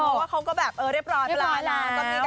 เพราะว่าเขาก็แบบเออเรียบร้อยแล้ว